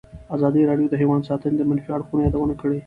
ازادي راډیو د حیوان ساتنه د منفي اړخونو یادونه کړې.